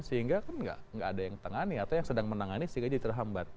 sehingga kan nggak ada yang tangani atau yang sedang menangani sehingga jadi terhambat